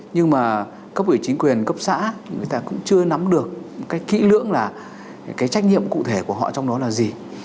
nhưng mà cấp ủy chính quyền cấp xã người ta cũng chưa nắm được cách kỹ lưỡng là cái trách nhiệm cụ thể của họ trong đó là gì